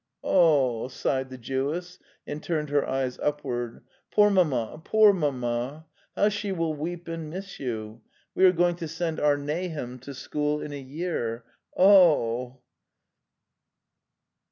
'"Q oh!" sighed the Jewess, and turned her eyes upward. '" Poor mamma, poor mamma! How she will weep and miss you! We are going to send our Nahum to school in a year. O oh!"